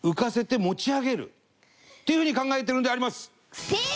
っていうふうに考えてるのであります。